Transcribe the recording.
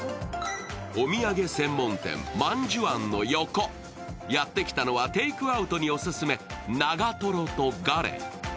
お土産専門店万寿庵の横、やってきたのはテイクアウトにオススメ、長瀞とガレ。